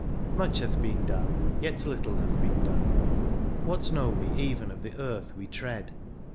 Much hath been done — ^yet little hath been done. What know we even of the earth we tread